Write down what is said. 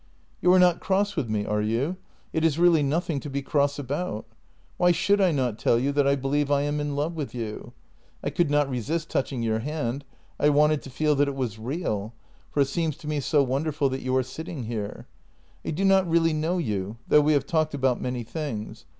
" You are not cross with me, are you? It is really nothing to be cross about. Why should I not tell you that I believe I am in love with you ? I could not resist touching your hand — I wanted to feel that it was real, for it seems to me so won derful that you are sitting here. I do not really know you, though we have talked about many things.